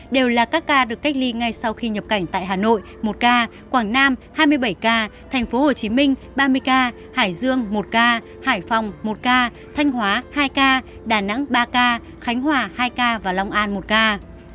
đều là các ca được cách ly ngay sau khi nhập cảnh tại hà nội một ca quảng nam hai mươi bảy ca tp hcm ba mươi ca hải dương một ca hải phòng một ca thanh hóa hai ca đà nẵng ba ca khánh hòa hai ca và long an một ca